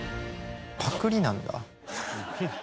パクりなんだ。